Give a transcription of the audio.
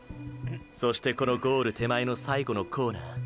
そしてこのゴール手前の最後のコーナー